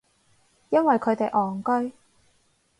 因為佢哋戇居